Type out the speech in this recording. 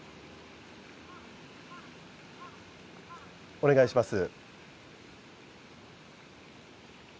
お願いします。